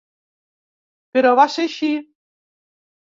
Però va ser així.